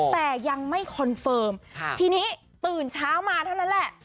แต่ยังไม่คอนเฟิร์มทีนี้ตื่นเช้ามาเท่านั้นแหละ